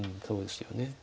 そうですよね。